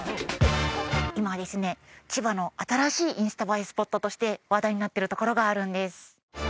今ですね千葉の新しいインスタ映えスポットとして話題になってるところがあるんです